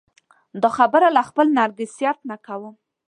دا خبره له خپل نرګسیت نه کوم.